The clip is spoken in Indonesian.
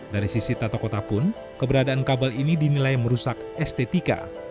dari sisi tata kota pun keberadaan kabel ini dinilai merusak estetika